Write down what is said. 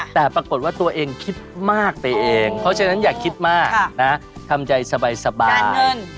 แต่ปรากฏว่าตัวเองคิดมากไปเองเพราะฉะนั้นอย่าคิดมากนะทำใจสบาย